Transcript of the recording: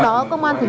nên là tôi làm nhiều